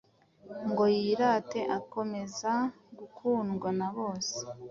ngo yirate, akomeza gukundwa na bose